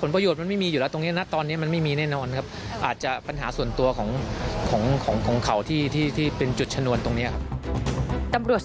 ผลประโยชน์มันไม่มีอยู่แล้วตรงนี้นะ